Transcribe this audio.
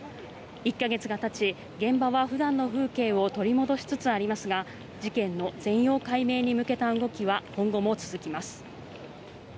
１か月がたち現場は普段の風景を取り戻しつつありますが事件の全容解明に向けた動きは今後も続きます。